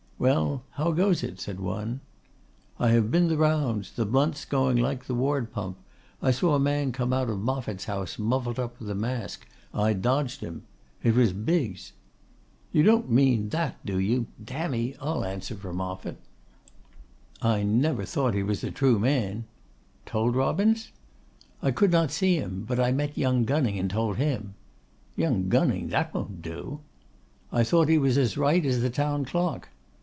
'Well, how goes it?' said one. 'I have been the rounds. The blunt's going like the ward pump. I saw a man come out of Moffatt's house, muffled up with a mask on. I dodged him. It was Biggs.' 'You don't mean that, do you? D e, I'll answer for Moffatt.' 'I never thought he was a true man.' 'Told Robins?' 'I could not see him; but I met young Gunning and told him.' 'Young Gunning! That won't do.' 'I thought he was as right as the town clock.